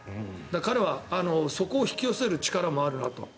彼はそこを引き寄せる力もあるなと。